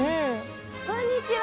こんにちは！